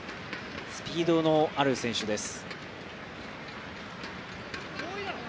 スピードのある選手です。